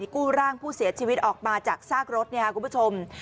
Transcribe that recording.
กู้ร่างผู้เสียชีวิตออกมาจากซากรถคุณผู้ชม